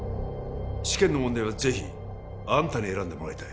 試験の問題はぜひあんたに選んでもらいたい